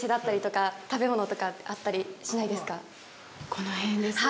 この辺ですよね？